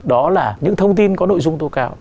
đó là những thông tin có nội dung tố cáo